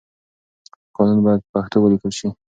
قانون بايد په پښتو وليکل شي.